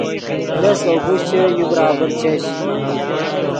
لس اوگوشچے یو برابر چش